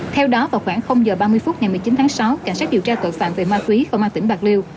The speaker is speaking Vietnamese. theo đó vào khoảng h ba mươi phút ngày một mươi chín tháng sáu cảnh sát điều tra tội phạm về ma túy công an tỉnh bạc liêu